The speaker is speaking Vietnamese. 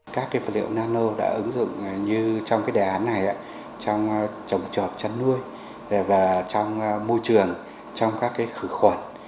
các vật liệu nano đã ứng dụng như trong đề án này trong trồng trọt chăn nuôi và trong môi trường trong các khử khuẩn